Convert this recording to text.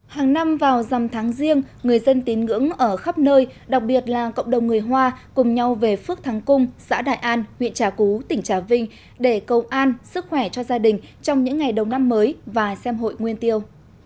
hàng năm vào dằm tháng riêng người dân tín ngưỡng ở khắp nơi đặc biệt là cộng đồng người hoa cùng nhau về phước thắng cung xã đại an huyện trà cú tỉnh trà vinh để cầu an sức khỏe cho gia đình trong những ngày đầu năm mới và xem hội nguyên tiêu